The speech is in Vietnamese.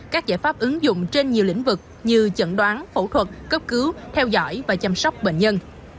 các giải pháp ứng dụng trên nhiều lĩnh vực như chẩn đoán phẫu thuật cấp cứu theo dõi và chăm sóc bệnh nhân